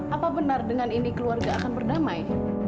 apa benar dengan ini keluarga akan berdamai